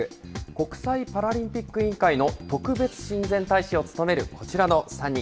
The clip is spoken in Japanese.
国際パラリンピック委員会の特別親善大使を務めるこちらの３人。